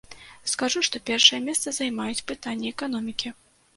Скажу, што першае месца займаюць пытанні эканомікі.